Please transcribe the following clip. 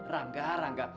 rangga ah rangga